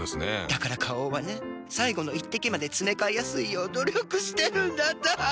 だから花王はね最後の一滴までつめかえやすいよう努力してるんだって。